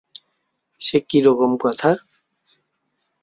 সে কী রকম কথা?